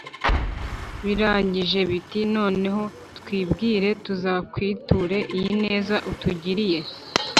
Birangije, biti: "Noneho twibwire, tuzakwiture iyi neza utugiriye.